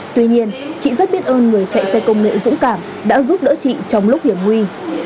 tuy nhiên chị rất biết ơn người chạy xe công nghệ dũng cảm đã giúp đỡ chị trong lúc hiểm nguy